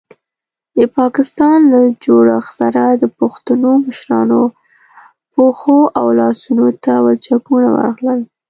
د پاکستان له جوړښت سره د پښتنو مشرانو پښو او لاسونو ته ولچکونه ورغلل.